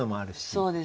そうですね